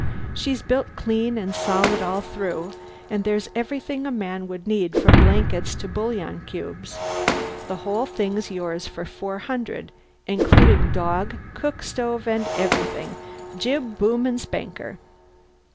She's built clean and solid all through, and there's everything a man would need from blankets to bouillon cubes. The whole thing's yours for $400 including dog, cook stove, and everything jib, boom, and spanker.